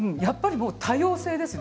多様性ですね